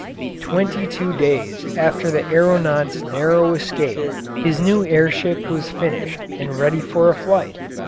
Twenty two days after the aeronaut's narrow escape his new air ship was finished and ready for a flight.